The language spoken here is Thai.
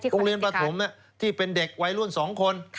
โรงเรียนประถมที่เป็นเด็กวัยรุ่น๒คน